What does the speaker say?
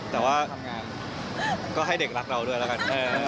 แต่ว่าก็ให้เด็กรักเราด้วยละกัน